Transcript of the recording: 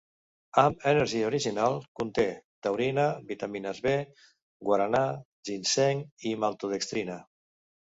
Amp Energy Original conté taurina, vitamines B, guaranà, ginseng i maltodextrina.